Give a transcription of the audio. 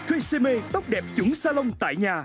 treseme tóc đẹp trứng xa lông tại nhà